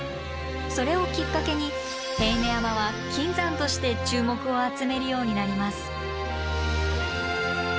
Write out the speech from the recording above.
それをきっかけに手稲山は金山として注目を集めるようになります。